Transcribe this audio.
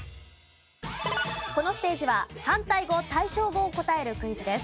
このステージは反対語・対照語を答えるクイズです。